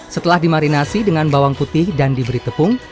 setelah dimarinasi dengan bawang putih dan diberi tepung